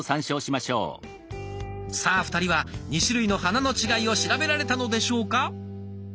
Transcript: さあ２人は２種類の花の違いを調べられたのでしょうか。